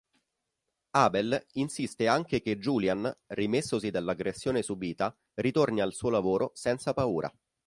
Abel insiste anche che Julian, rimessosi dall'aggressione subita, ritorni al suo lavoro senza paura.